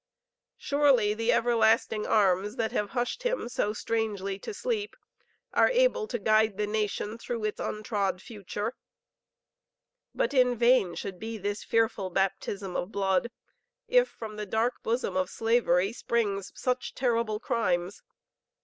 Surely the everlasting arms that have hushed him so strangely to sleep are able to guide the nation through its untrod future; but in vain should be this fearful baptism of blood if from the dark bosom of slavery springs such terrible crimes.